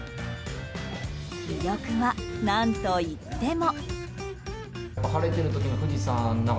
魅力は、何といっても。